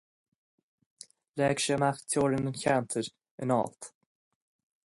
Leag sé amach teorainn an cheantair in alt.